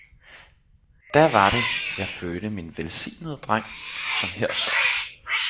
Da var det, jeg fødte min velsignede dreng, som her sover.